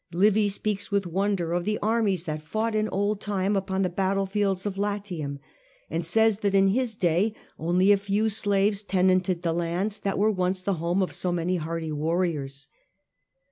Livy speaks with wonder of Remarks of the armies that fought in old time upon Livy, the battlefields of Latium, and says that in his day only a few slaves tenanted the lands that were once the home of so many hardy warriors.